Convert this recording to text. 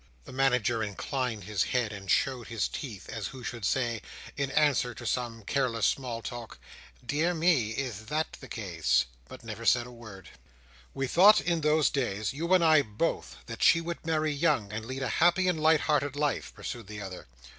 The Manager inclined his head, and showed his teeth, as who should say, in answer to some careless small talk, "Dear me! Is that the case?" but said never a word. "We thought in those days: you and I both: that she would marry young, and lead a happy and light hearted life," pursued the other.